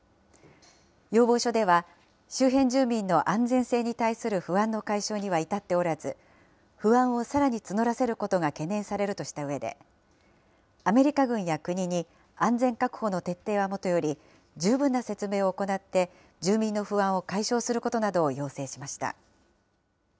要望書では、周辺住民の安全性に対する不安の解消には至っておらず、不安をさらに募らせることが懸念されるとしたうえで、アメリカ軍や国に、安全確保の徹底はもとより、十分な説明を行って住民の不安を解消することなどを要請しました。